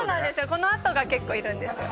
このあとが結構いるんですよ